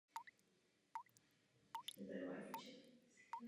Tento krok se zdá být nesmírně kontroverzní.